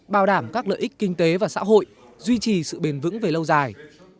bảo đảm các lợi ích kinh tế và xã hội duy trì sự bền vững về lâu dài